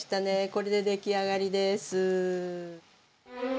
これで出来上がりです。